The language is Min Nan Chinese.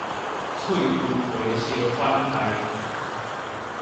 喙脣皮相款待